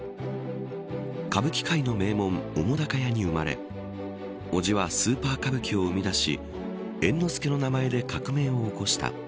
歌舞伎界の名門、澤瀉屋に生まれおじはスーパー歌舞伎を生み出し猿之助の名前で革命を起こした。